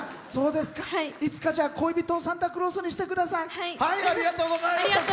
いつか、恋人をサンタクロースにしてください。